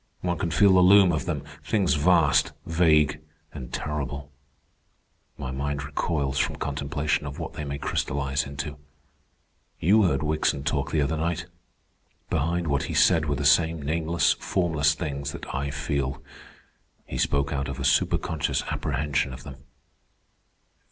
One can feel the loom of them—things vast, vague, and terrible. My mind recoils from contemplation of what they may crystallize into. You heard Wickson talk the other night. Behind what he said were the same nameless, formless things that I feel. He spoke out of a superconscious apprehension of them."